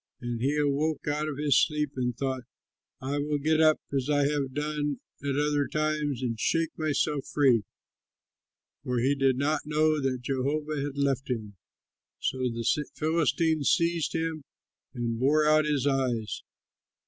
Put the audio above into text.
And he awoke out of his sleep and thought, "I will get up as I have done at other times and shake myself free"; for he did not know that Jehovah had left him. So the Philistines seized him and bored out his eyes.